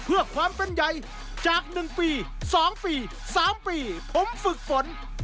จากความเป็นใยจากหนึ่งปีสองปีสามปีผมฝึกฝน